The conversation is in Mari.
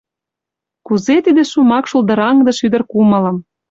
Кузе тиде шомак шулдыраҥдыш ӱдыр кумылым!